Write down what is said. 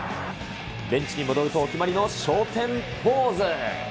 ベンチに戻ると、お決まりのしょうてんポーズ。